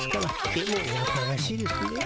でもやかましいですね。